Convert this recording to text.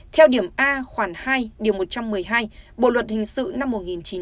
theo điểm a khoảng hai điều một trăm một mươi hai bộ luật hình sự năm một nghìn chín trăm năm mươi